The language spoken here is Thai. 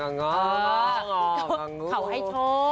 เขาให้โชค